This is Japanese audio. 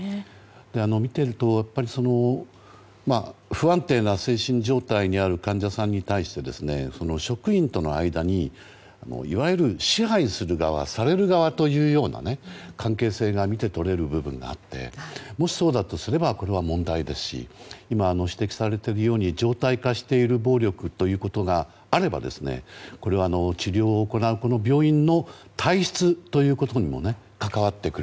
見ていると、不安定な精神状態にある患者さんに対して職員との間に、いわゆる支配する側、される側という関係性が見て取れる部分があってもしそうだとすればこれは問題ですし今、指摘されているように常態化している暴力があればこれは治療を行うこの病院の体質ということにも関わってくる。